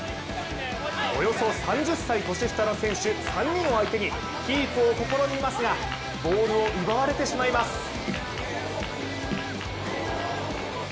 およそ３０歳年下の選手３人を相手にキープを試みますがボールを奪われてしまいます。